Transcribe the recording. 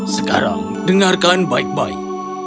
sekarang dengarkan baik baik